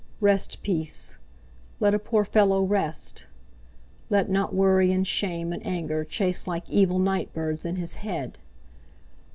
Rest—peace! Let a poor fellow rest! Let not worry and shame and anger chase like evil night birds in his head!